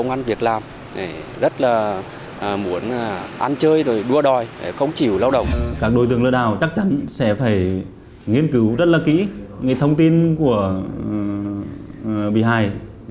nghiên cứu rất là kỹ những thông tin của bị hại